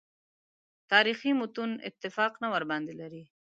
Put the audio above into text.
تاریخي متون اتفاق نه ورباندې لري.